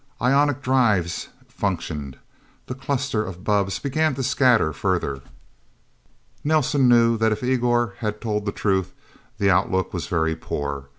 Ionic drives functioned. The cluster of bubbs began to scatter further. Nelsen knew that if Igor had told the truth, the outlook was very poor.